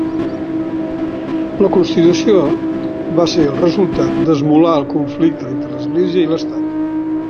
La Constitució va ser el resultat d'esmolar el conflicte entre l'Església i l'Estat.